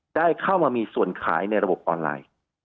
ได้เข้ามามีส่วนขายในระบบออนไลน์